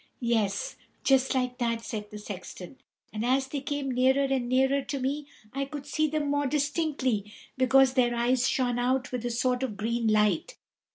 "Yes, just like that!" said the Sexton; "and as they came nearer and nearer to me I could see them more distinctly, because their eyes shone out with a sort of green light.